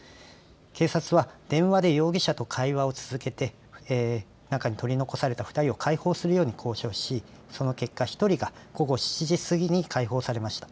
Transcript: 警察は電話で容疑者と会話を続けて中に取り残された２人を解放するように交渉しその結果１人が午後７時過ぎに解放されました。